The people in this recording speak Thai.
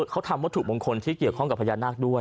เขาทำวัตถุมงคลที่เกี่ยวข้องกับพญานาคด้วย